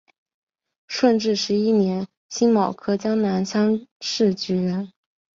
顺治十一年辛卯科江南乡试举人。